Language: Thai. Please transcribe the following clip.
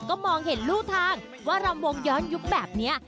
ก็มองเห็นรู้ทางว่ารำวงย้อนยุคแบบนี้